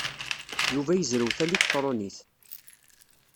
Yuba yezrew taliktṛunit.